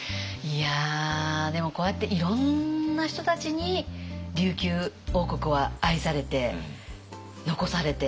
いやでもこうやっていろんな人たちに琉球王国は愛されて残されて伝統も。